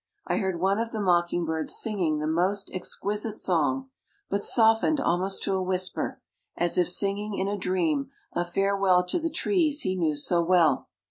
I heard one of the mocking birds singing the most exquisite song, but softened almost to a whisper, as if singing in a dream a farewell to the trees he knew so well.